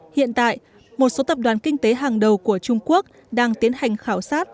hiện tại một số tập đoàn kinh tế hàng đầu của trung quốc đang tiến hành khảo sát